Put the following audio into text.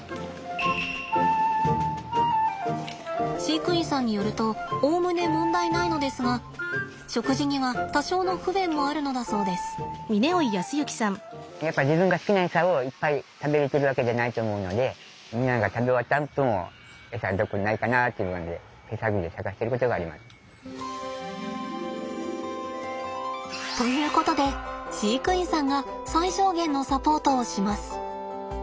飼育員さんによるとおおむね問題ないのですが食事には多少の不便もあるのだそうです。ということで飼育員さんが最小限のサポートをします。